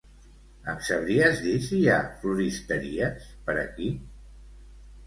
Em sabries dir si hi ha floristeries per aquí?